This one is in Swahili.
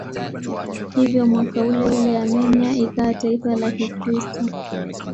Hivyo mwaka uleule Armenia ikawa taifa la Kikristo.